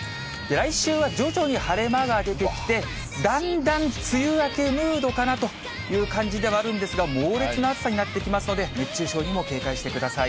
来週は徐々に晴れ間が出てきて、だんだん梅雨明けムードかなという感じではあるんですが、猛烈な暑さになってきますので、熱中症にも警戒してください。